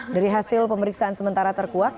dari hasil pemeriksaan sementara terkuak